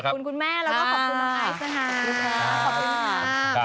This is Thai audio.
ขอบคุณคุณแม่แล้วก็ขอบคุณน้องไข่